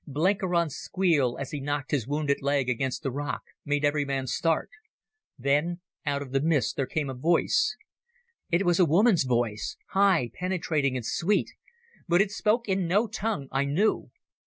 Blenkiron's squeal, as he knocked his wounded leg against a rock, made every man start. Then out of the mist there came a voice. It was a woman's voice, high, penetrating, and sweet, but it spoke in no tongue I knew.